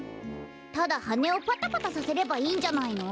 ただはねをパタパタさせればいいんじゃないの？